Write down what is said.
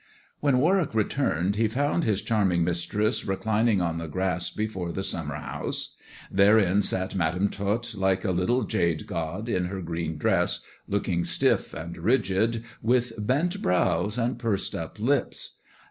When Warwick returned he found his charming mistrese reclining on the grass before the summer house. Therein sat Madam Tot, like a little jade god, in her green dress, looking stiff and rigid, with bent brows and pursed up lips.